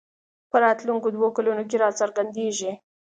په راتلونکو دوو کلونو کې راڅرګندېږي